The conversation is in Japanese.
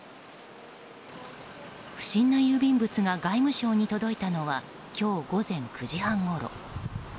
不審な郵便物が外務省に届いたのは今日午前９時半ごろ。